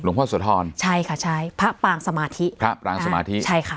พ่อโสธรใช่ค่ะใช่พระปางสมาธิพระปรางสมาธิใช่ค่ะ